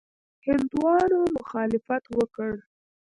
هندیانو مخالفت وکړ.